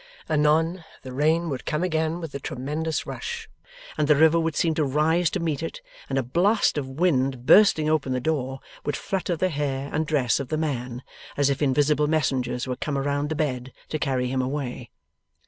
Anon, the rain would come again with a tremendous rush, and the river would seem to rise to meet it, and a blast of wind, bursting upon the door, would flutter the hair and dress of the man, as if invisible messengers were come around the bed to carry him away.